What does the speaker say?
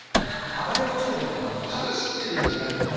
剥がしてるんじゃないもんね。